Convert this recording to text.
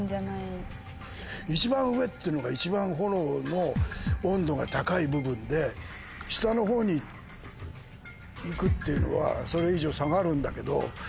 一番上っていうのが一番炎の温度が高い部分で下の方にいくっていうのはそれ以上下がるんだけど。